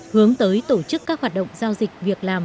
hướng tới tổ chức các hoạt động giao dịch việc làm